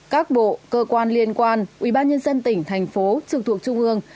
một mươi một các bộ cơ quan liên quan ubnd tỉnh thành phố trường thuộc trung ương